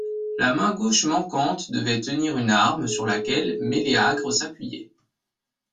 La main gauche manquante devait tenir une arme sur laquelle Méléagre s'appuyait.